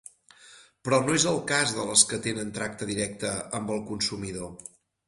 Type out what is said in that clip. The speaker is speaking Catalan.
Però no és el cas de les que tenen tracte directe amb el consumidor.